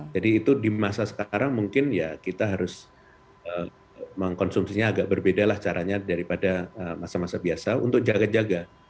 jadi itu di masa sekarang mungkin ya kita harus mengkonsumsinya agak berbeda lah caranya daripada masa masa biasa untuk jaga jaga